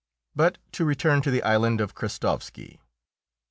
But to return to the island of Krestovski.